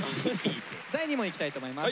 第２問いきたいと思います。